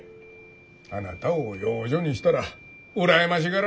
あなたを養女にしたら羨ましがられそうじゃ。